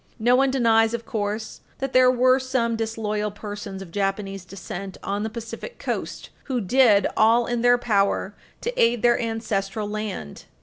No one denies, of course, that there were some disloyal persons of Japanese descent on the Pacific Coast who did all in their power to aid their ancestral land.